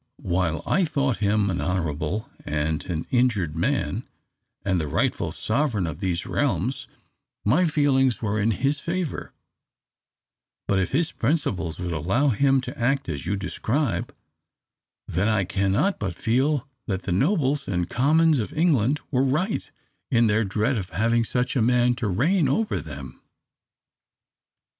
While I thought him an honourable and an injured man, and the rightful sovereign of these realms, my feelings were in his favour; but if his principles would allow him to act as you describe, then I cannot but feel that the nobles and commons of England were right in their dread of having such a man to reign over them."